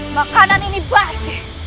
makanan ini basi